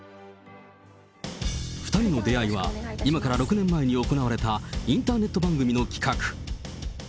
２人の出会いは今から６年前に行われた、インターネット番組の企画。